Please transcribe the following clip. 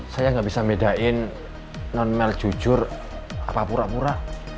saya nggak bisa bedain non mel jujur apa pura pura